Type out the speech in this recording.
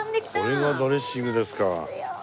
これがドレッシングですか。